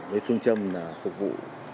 với phương châm phục vụ